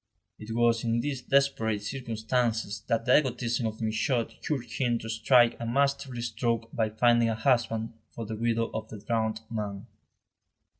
It was in these desperate circumstances that the egotism of Michaud urged him to strike a masterly stroke by finding a husband for the widow of the drowned man.